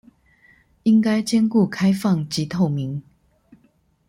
應該兼顧開放及透明